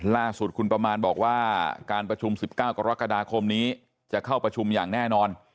ล่าสุดคุณประมาณบอกว่าการประชุม๑๙กรกฎาคมนี้จะเข้าประชุมอย่างแน่นอน